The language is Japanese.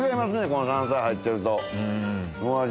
この山菜入ってるとお味が。